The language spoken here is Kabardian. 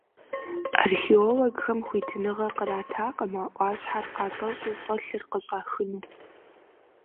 Археологхэм хуитыныгъэ къратакъым а Ӏуащхьэр къатӀэщӀу, щӀэлъыр къыщӀахыну.